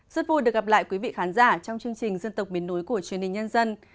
rất vui được gặp lại quý vị khán giả trong chương trình dân tộc miền núi của truyền hình nhân dân